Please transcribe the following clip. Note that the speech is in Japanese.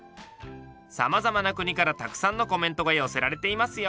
さまざまな国からたくさんのコメントが寄せられていますよ。